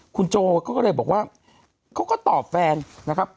คุณโจเขาก็เลยบอกว่าเขาก็ตอบแฟนนะครับ